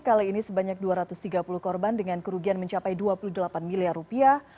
kali ini sebanyak dua ratus tiga puluh korban dengan kerugian mencapai dua puluh delapan miliar rupiah